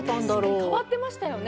確かに変わってましたよね